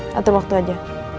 tentu waktu aja